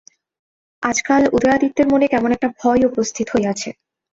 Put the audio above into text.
আজ কাল উদয়াদিত্যের মনে কেমন একটা ভয় উপস্থিত হইয়াছে।